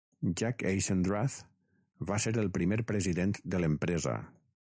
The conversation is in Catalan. Jack Eisendrath va ser el primer president de l'empresa.